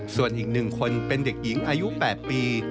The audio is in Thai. ส่วนอีก๑คนเป็นเด็กหญิงอายุ๘ปี